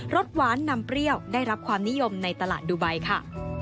สหวานนำเปรี้ยวได้รับความนิยมในตลาดดูไบค่ะ